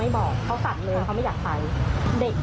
ให้เขาเรียกแต่คุณทำมันไม่ใช่ความรู้สึกที่